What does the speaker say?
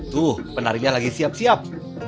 tuh penarinya lagi siap siap